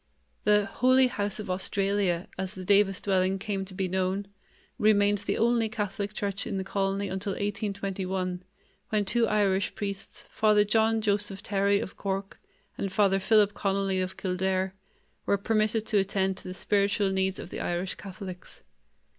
The "Holy House of Australia", as the Davis dwelling came to be known, remained the only Catholic church in the colony until 1821, when two Irish priests, Father John Joseph Therry of Cork and Father Philip Connolly of Kildare, were permitted to attend to the spiritual needs of the Irish Catholics.